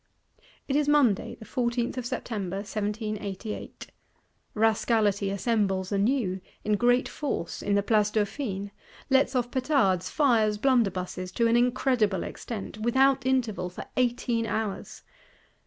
It is Monday, the 14th of September 1788: Rascality assembles anew, in great force, in the Place Dauphine; lets off petards, fires blunderbusses, to an incredible extent, without interval, for eighteen hours.